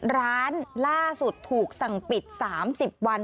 ล่าสุดถูกสั่งปิด๓๐วัน